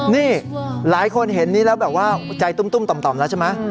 นี่หลายคนเห็นนี้แล้วแบบว่าใจตุ้มต่อมแล้วใช่ไหม